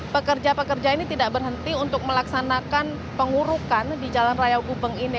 pekerja pekerja ini tidak berhenti untuk melaksanakan pengurukan di jalan raya gubeng ini